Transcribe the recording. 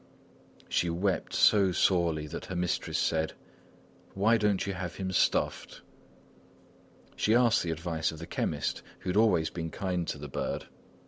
She wept so sorely that her mistress said: "Why don't you have him stuffed?" She asked the advice of the chemist, who had always been kind to the bird.